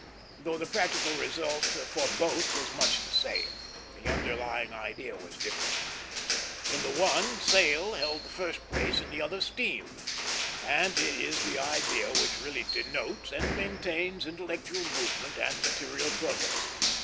Though the practical result for both was much the same, the underlying idea was different. In the one, sail held the first place; in the other, steam; and it is the idea which really denotes and maintains intellectual movement and material progress.